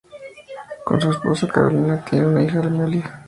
Con su esposa, Karolina, tiene una hija, Amelia.